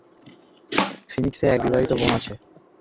ফিনিক্সে এক বিবাহিত বোন আছে।